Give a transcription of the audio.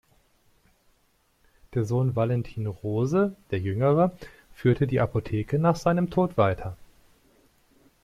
Der Sohn Valentin Rose der Jüngere führte die Apotheke nach seinem Tod weiter.